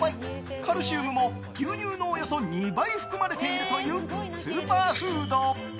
カルシウムも、牛乳のおよそ２倍含まれているというスーパーフード。